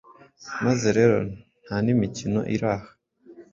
Maze rero nta n’imikino iri aha;